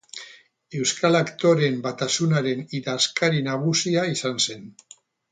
Euskal Aktoreen Batasunaren idazkari nagusia izan zen.